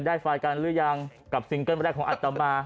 ได้ไฟล์กันหรือยังกับซิงเกิลวันแรกของอัตตามา